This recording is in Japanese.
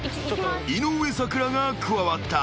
［井上咲楽が加わった］